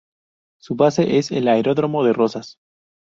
Su base es el aeródromo de Rozas.